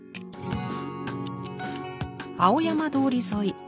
青山通り沿い。